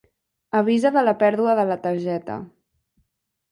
Avisa de la pèrdua de la targeta.